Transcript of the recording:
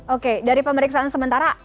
oke dari pemeriksaan sementara